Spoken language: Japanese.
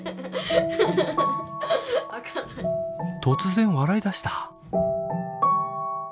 突然笑いだした。